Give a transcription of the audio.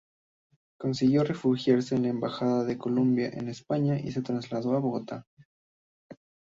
Consiguió refugiarse en la embajada de Colombia en España, y se trasladó a Bogotá.